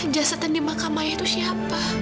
jasatan di makam ayah itu siapa